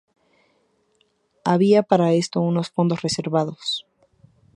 Había para esto unos fondos reservados.